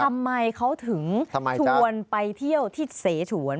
ทำไมเขาถึงชวนไปเที่ยวที่เสฉวน